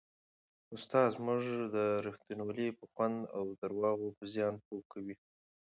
استاد موږ د رښتینولۍ په خوند او د درواغو په زیان پوه کوي.